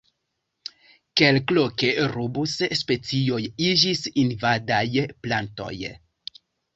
Kelkloke rubus-specioj iĝis invadaj plantoj.